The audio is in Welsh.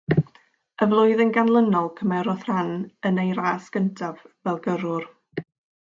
Y flwyddyn ganlynol cymerodd rhan yn ei ras gyntaf fel gyrrwr.